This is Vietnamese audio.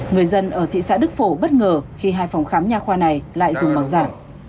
người dân ở thị xã đức phổ bất ngờ khi hai phòng khám nhà khoa này lại dùng bằng giả